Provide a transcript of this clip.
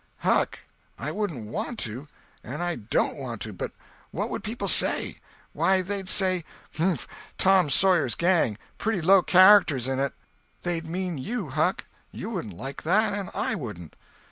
"Huck, I wouldn't want to, and I don't want to—but what would people say? Why, they'd say, 'Mph! Tom Sawyer's Gang! pretty low characters in it!' They'd mean you, Huck. You wouldn't like that, and I wouldn't."